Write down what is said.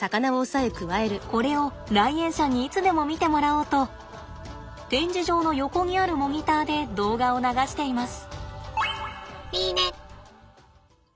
これを来園者にいつでも見てもらおうと展示場の横にあるモニターで動画を流しています。